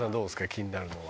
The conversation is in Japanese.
気になるのは。